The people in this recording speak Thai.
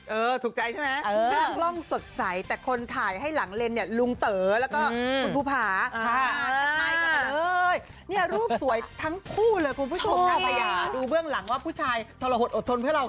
เออถูกใจใช่ไหมกล้องสดใสแต่คนถ่ายให้หลังเลนเนี่ยลุงเต๋อแล้วก็คุณภูมิภาษณ์นี้รูปสวยทั้งคู่เลยคุณผู้ชมทำไมอย่าดูเบื้องหลังว่าผู้ชายทะละหดอดทนเพื่อเรา